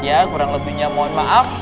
ya kurang lebihnya mohon maaf